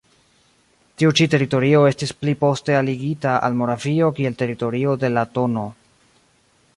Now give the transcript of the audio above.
Tiu ĉi teritorio estis pli poste alligita al Moravio kiel teritorio de la tn.